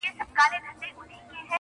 • هم د پسونو هم د هوسیانو -